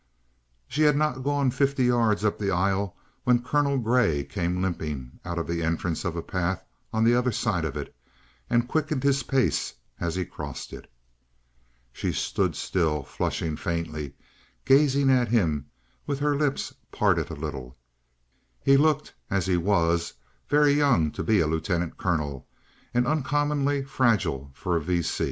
She had not gone fifty yards up the aisle when Colonel Grey came limping out of the entrance of a path on the other side of it, and quickened his pace as he crossed it. She stood still, flushing faintly, gazing at him with her lips parted a little. He looked, as he was, very young to be a Lieutenant Colonel, and uncommonly fragile for a V.